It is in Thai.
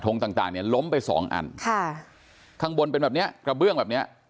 ทรงต่างงงล้มไป๒อันครับข้างบนเป็นแบบนี้กระเบื้องแบบนี้